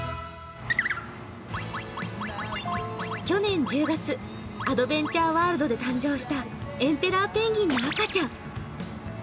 去年１０月、アドベンチャーワールドで誕生したエンペラーペンギンの赤ちゃん。